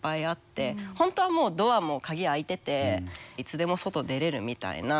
本当はもうドアも鍵開いてていつでも外出れるみたいな。